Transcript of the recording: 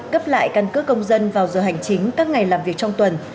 cấp lại căn cước công dân vào giờ hành chính các ngày làm việc trong tuần